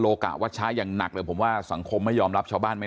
กะวัชชาอย่างหนักเลยผมว่าสังคมไม่ยอมรับชาวบ้านไม่